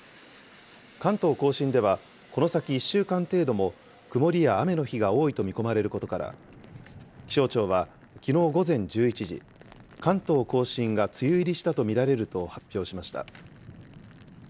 関東甲信では、この先１週間程度も曇りや雨の日が多いと見込まれることから、気象庁はきのう午前１１時、関東甲信が梅雨入りしたと見られると発表しました。